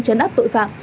chấn áp tội phạm